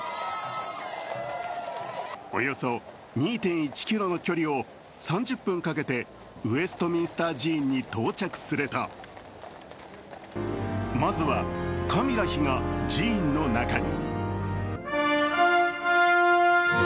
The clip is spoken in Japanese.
およそ２．１ｋｍの距離を３０分かけてウェストミンスター寺院に到着するとまずはカミラ妃が寺院の中に。